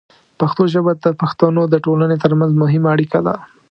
پښتو ژبه د پښتنو د ټولنې ترمنځ مهمه اړیکه ده.